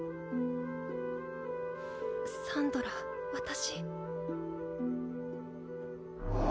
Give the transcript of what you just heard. サンドラ私。